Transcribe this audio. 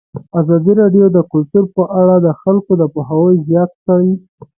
ازادي راډیو د کلتور په اړه د خلکو پوهاوی زیات کړی.